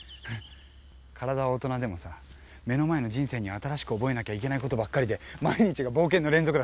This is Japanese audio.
体は大人でもさ目の前の人生には新しく覚えなきゃいけないことばっかりで毎日が冒険の連続だ。